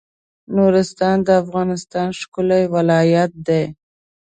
نورستان د افغانستان ښکلی ولایت دی